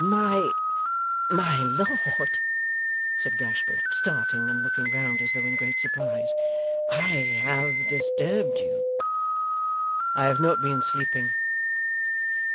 'My my lord,' said Gashford, starting and looking round as though in great surprise. 'I have disturbed you!' 'I have not been sleeping.